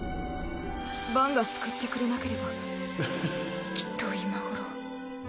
バンが救ってくれなければきっと今頃。